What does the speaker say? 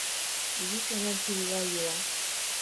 Изи чонем тулла йӱла.